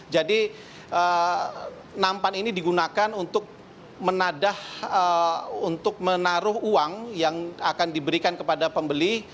jadi nampan ini digunakan untuk menadah untuk menaruh uang yang akan diberikan kepada pembeli